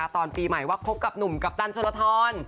ตอนปีใหม่ว่าคบกับหนุ่มกัปตันชนลทร